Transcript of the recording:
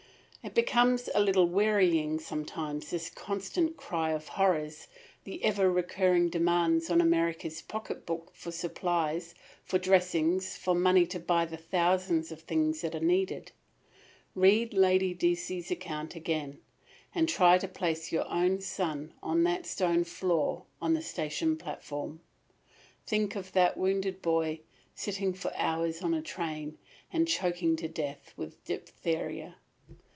It becomes a little wearying, sometimes, this constant cry of horrors, the ever recurring demands on America's pocketbook for supplies, for dressings, for money to buy the thousands of things that are needed. Read Lady Decies' account again, and try to place your own son on that stone floor on the station platform. Think of that wounded boy, sitting for hours in a train, and choking to death with diphtheria.